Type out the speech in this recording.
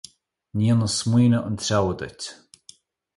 Ní dhéanfaidh smaoineamh an treabhadh duit.